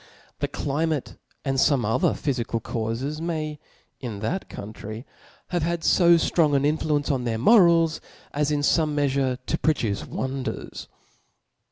The climate and fome other phyfical caufes may, in that coun try, have had fo ftrong an influence on their mo rals, as in fome meafure to produce wonders.